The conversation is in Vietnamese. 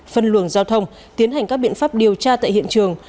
phân luồng giao thông tiến hành các biện pháp điều tra tại hiện trường